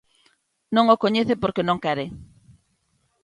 Non o coñece porque non quere.